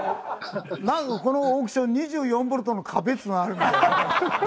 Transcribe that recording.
なんかこのオークション２４ボルトの壁っつうのがあるんだよ。